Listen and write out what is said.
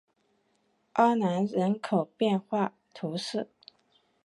阿南人口变化图示